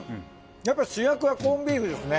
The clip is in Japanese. やっぱ主役はコンビーフですね。